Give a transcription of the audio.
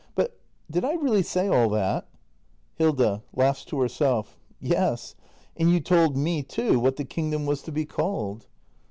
But did I really say all that ? Hilda. [Laughs to herself.] Yes. And you told me, too, what the kingdom was to be called.